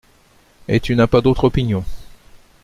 Et tu n’as pas d’autre opinion ?